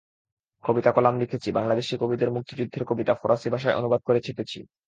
কবিতা-কলাম লিখেছি, বাংলাদেশি কবিদের মুক্তিযুদ্ধের কবিতা ফরাসি ভাষায় অনুবাদ করে ছেপেছি।